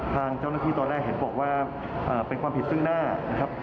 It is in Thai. ทางเจ้าหน้าที่ตอนแรกเห็นบอกว่าเป็นความผิดซึ่งหน้านะครับ